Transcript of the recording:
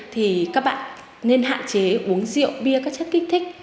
thì các bạn nên hạn chế uống rượu bia các chất kích thích